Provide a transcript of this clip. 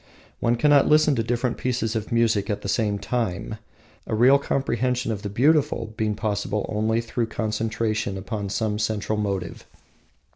One cannot listen to different pieces of music at the same time, a real comprehension of the beautiful being possible only through concentration upon some central motive.